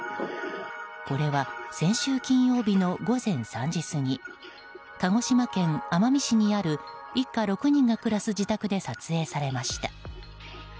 これは先週金曜日の午前３時過ぎ鹿児島県奄美市にある一家６人が暮らす自宅で撮影されました。